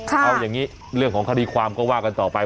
เอาอย่างนี้เรื่องของคดีความก็ว่ากันต่อไป